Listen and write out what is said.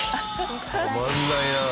たまんないなあ。